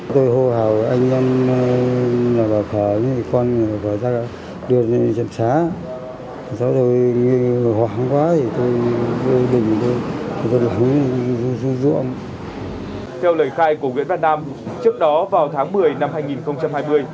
theo lời khai của nguyễn văn nam trước đó vào tháng một mươi năm hai nghìn hai mươi